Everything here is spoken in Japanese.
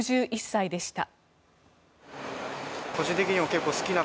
６１歳でした。